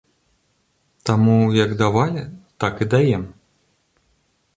Таму, як давалі, так і даем.